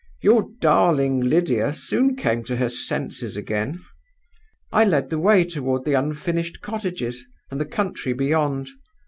Your darling Lydia soon came to her senses again. "I led the way toward the unfinished cottages, and the country beyond.